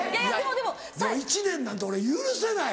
もう１年なんて俺許せない。